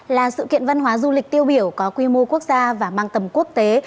là sự kiện văn hóa du lịch tiêu biểu có quy mô quốc gia và mang tầm quốc tế